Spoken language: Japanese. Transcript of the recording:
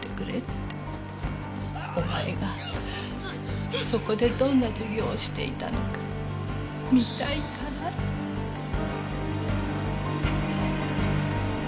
お前がそこでどんな授業をしていたのか見たいからって。